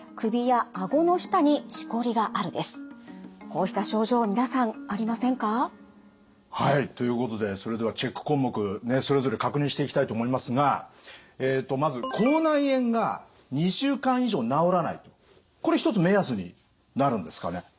こうした症状皆さんありませんか？ということでそれではチェック項目それぞれ確認していきたいと思いますがまずこれ一つ目安になるんですかね？